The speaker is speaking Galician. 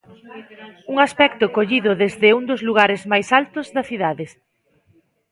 Un aspecto collido desde un dos lugares máis altos da cidade.